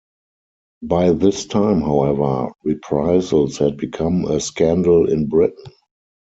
By this time, however, reprisals had become a scandal in Britain.